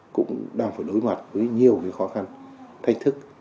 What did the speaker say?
cũng đang phải đối mặt với nhiều khó khăn thách thức